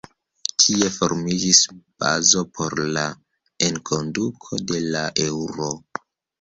Tie formiĝis bazo por la enkonduko de la Eŭro.